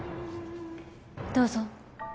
どうぞ。